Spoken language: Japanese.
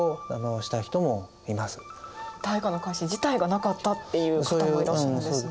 大化の改新自体がなかったっていう方もいらっしゃるんですね。